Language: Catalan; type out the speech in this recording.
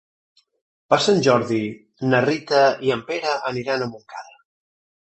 Per Sant Jordi na Rita i en Pere aniran a Montcada.